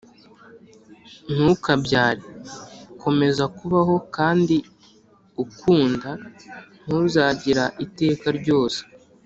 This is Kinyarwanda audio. “ntukabyare. komeza kubaho kandi ukunda. ntuzagira iteka ryose.